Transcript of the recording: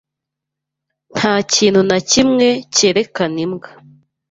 Nta kintu na kimwe cyerekana imbwa